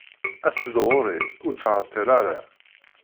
as-d ɣur-i, ur ttɛeṭṭil ara.